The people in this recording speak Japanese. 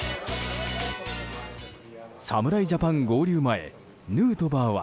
侍ジャパン合流前ヌートバーは。